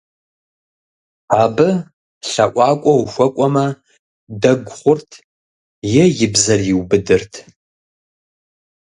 Абы лъэӀуакӀуэ ухуэкӀуэмэ, дэгу хъурт, е и бзэр иубыдырт.